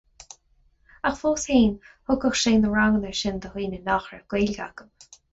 Ach fós féin, thugadh sé na ranganna sin do dhaoine nach raibh Gaeilge acu.